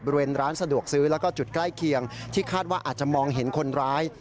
บริเวณร้านสะดวกซื้อแล้วก็จุดใกล้เคียงที่คาดว่าอาจจะมองเห็นคนร้าย